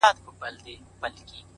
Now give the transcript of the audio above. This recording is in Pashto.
د چا ارمان چي وم، د هغه چا ارمان هم يم